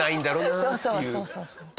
そうそうそうそう。